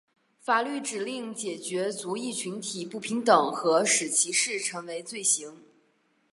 法律指令解决族裔群体不平等和使歧视成为罪行。